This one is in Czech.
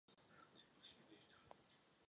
Působí jako novinář.